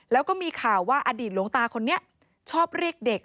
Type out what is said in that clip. แล้วก็มีข่าวว่าอดีตหลวงตาคนนี้ชอบเรียกเด็ก